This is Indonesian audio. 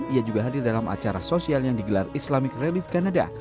ia juga hadir dalam acara sosial yang digelar islamic relief kanada